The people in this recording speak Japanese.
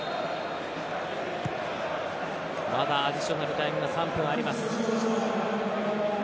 まだアディショナルタイムは３分あります